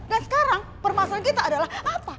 dan sekarang permasalahan kita adalah apa